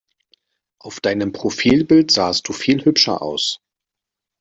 Auf deinem Profilbild sahst du viel hübscher aus!